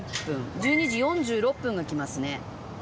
１２時４６分が来ますね。